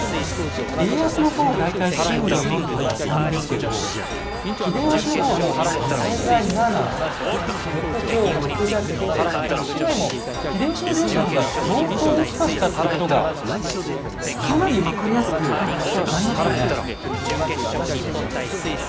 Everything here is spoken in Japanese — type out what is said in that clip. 家康の方は大体震度４とか３ですけど秀吉の方はもう最大７６強６弱って被害もってことがかなり分かりやすくなりましたね。